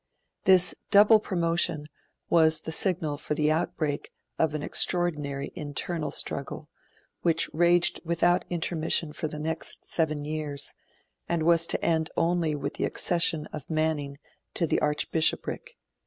This double promotion was the signal for the outbreak of an extraordinary internal struggle, which raged without intermission for the next seven years, and was to end only with the accession of Manning to the Archbishopric.